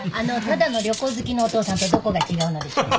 ただの旅行好きのお父さんとどこが違うのでしょう？